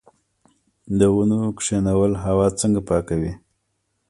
د ونو کینول هوا څنګه پاکوي؟